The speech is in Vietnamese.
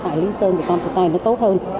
tại lý sơn để làm homestay nó tốt hơn